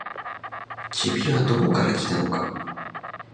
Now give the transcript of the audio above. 君はどこから来たのか。